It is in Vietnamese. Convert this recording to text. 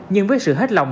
nhưng với sự hết lòng